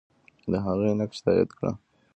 د هغې نقش تایید کړه.